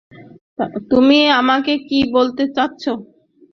তুমি আমাকে কি বলতে চাচ্ছো?